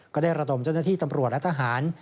ก็ได้ระดมเจ้าหน้าที่ตำรวจและทหาร